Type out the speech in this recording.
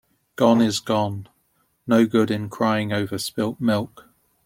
Gone is gone. No good in crying over spilt milk.